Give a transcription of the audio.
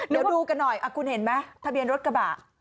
เดี๋ยวดูกันหน่อยคุณเห็นไหมทะเบียนรถกระบะ